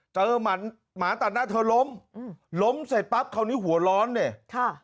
เจอหมาตัดหน้าเธอล้มล้มเสร็จปั๊บเขานี่หัวร้อนเนี่ย